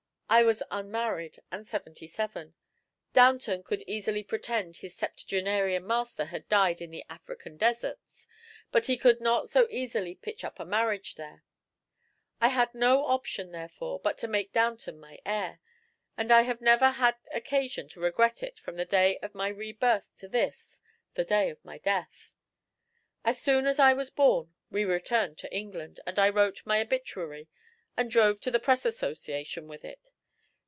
I was unmarried and seventy seven. Downton could easily pretend his septuagenarian master had died in the African deserts, but he could not so easily patch up a marriage there. I had no option, therefore, but to make Downton my heir, and I have never had occasion to regret it from the day of my rebirth to this, the day of my death. As soon as I was born we returned to England, and I wrote my obituary and drove to the Press Association with it.